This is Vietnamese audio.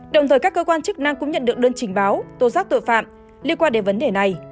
đồng thời các cơ quan chức năng cũng nhận được đơn trình báo tố giác tội phạm liên quan đến vấn đề này